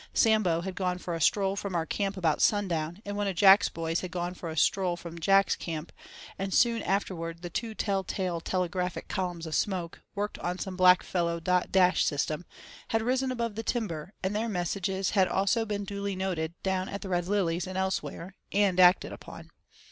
Sambo had gone for a stroll from our camp about sundown, and one of Jack's boys had gone for a stroll from Jack's camp, and soon afterwards two tell tale telegraphic columns of smoke, worked on some blackfellow dot dash system, had risen above the timber, and their messages had also been duly noted down at the Red Lilies and elsewhere, and acted upon.